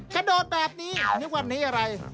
กระโดดแบบนี้นึกวันนี้อะไร